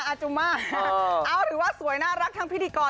เอาถือว่าสวยน่ารักทั้งพิธีกร